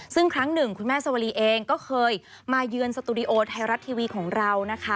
ซึ่งครั้งหนึ่งคุณแม่สวรีเองก็เคยมาเยือนสตูดิโอไทยรัฐทีวีของเรานะคะ